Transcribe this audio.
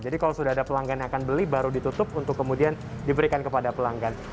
jadi kalau sudah ada pelanggan yang akan beli baru ditutup untuk kemudian diberikan kepada pelanggan